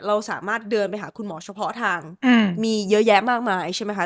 เราสามารถเดินไปหาคุณหมอเฉพาะทางมีเยอะแยะมากมายใช่ไหมคะ